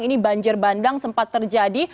ini banjir bandang sempat terjadi